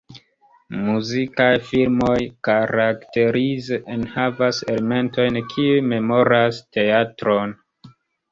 Muzikaj filmoj karakterize enhavas elementojn kiuj memoras teatron.